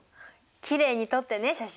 きれいに撮ってね写真。